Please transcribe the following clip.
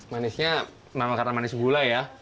manisnya memang karena manis gula ya